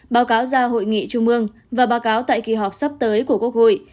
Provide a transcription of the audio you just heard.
báo cáo ra hội nghị trung ương và báo cáo tại kỳ họp sắp tới của quốc hội